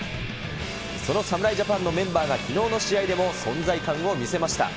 その侍ジャパンのメンバーがきのうの試合でも存在感を見せました。